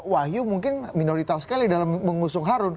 wahyu mungkin minoritas sekali dalam mengusung harun